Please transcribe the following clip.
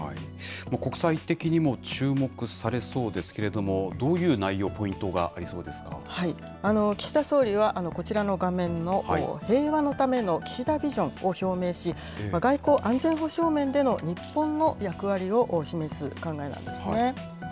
国際的にも注目されそうですけれども、どういう内容、ポイン岸田総理はこちらの画面の平和のための岸田ビジョンを表明し、外交・安全保障面での日本の役割を示す考えなんですね。